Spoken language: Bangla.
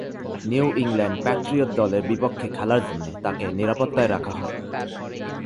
নিউ ইংল্যান্ড প্যাট্রিয়ট দলের বিপক্ষে খেলার জন্য তাঁকে নিরাপত্তায় রাখা হয়।